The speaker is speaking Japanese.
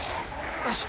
よし！